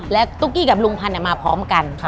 และตุ๊กกี้กับลุงพันธ์มาพร้อมกัน